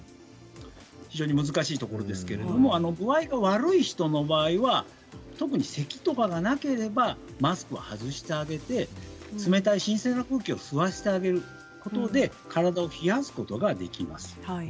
非常に難しいところですけど具合が悪い人の場合は特にせきとかがなければマスクを外してあげて冷たい新鮮な空気を吸わせてあげることで体を冷やすことができます。